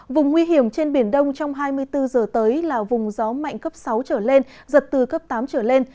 vùng nguy hiểm trên biển đông trong hai mươi bốn giờ tới là vùng gió mạnh cấp sáu trở lên giật từ cấp tám trở lên